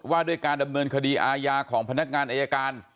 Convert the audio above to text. ว่าด้วยการดำเนินคดีอาญาของพนักงานอายการ